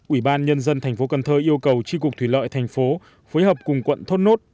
ủy ban nhân dân thành phố cần thơ yêu cầu tri cục thủy lợi thành phố phối hợp cùng quận thốt nốt